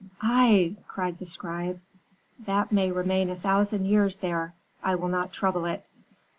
"'Ai!' cried the scribe. 'That may remain a thousand years there; I will not trouble it.